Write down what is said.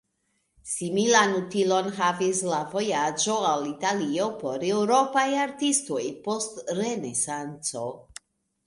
Similan utilon havis la vojaĝo al Italio por eŭropaj artistoj post Renesanco.